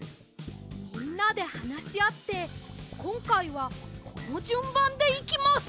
みんなではなしあってこんかいはこのじゅんばんでいきます！